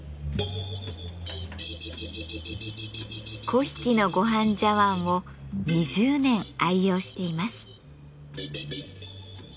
粉引のごはん茶碗を２０年愛用しています。